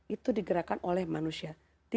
itu digerakkan oleh manusia